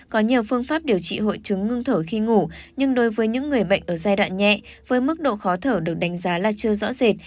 có nhiều phương pháp điều trị hội chứng ngưng thở khi ngủ nhưng đối với những người bệnh ở giai đoạn nhẹ với mức độ khó thở được đánh giá là chưa rõ rệt